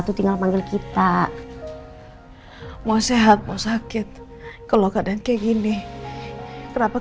tuh tinggal panggil kita filtered shedding hai mau sehat mau sakit kalau kadang kayak gini peramah